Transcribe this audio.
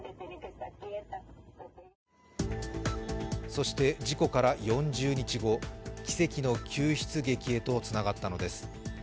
そして事故から４０日後、奇跡の救出劇へとつながったのです。